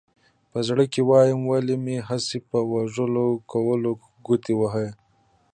په زړه کې وایم ولې مې هسې په وږو کولمو ګوتې وهې.